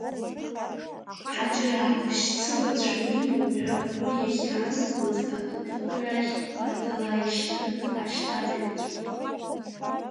Ҳаџьараҭ ашьцылацәа имоуп ҳәа ргәы иахьаанагоз ақыҭақәа рахьгьы маӡала ишьҭын ашьҭазаҩцәа.